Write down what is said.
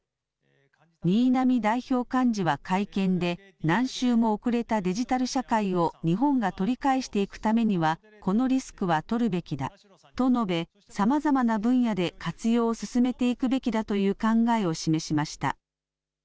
新浪代表幹事は会見で、何周も遅れたデジタル社会を日本が取り返していくためには、このリスクは取るべきだと述べ、さまざまな分野で活用を進めていくべきだという考えを示しました。